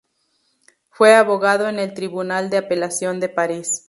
Fue abogado en el Tribunal de apelación de Paris.